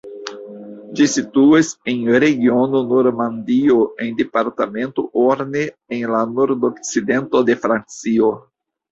Ĝi situas en regiono Normandio en departemento Orne en la nord-okcidento de Francio.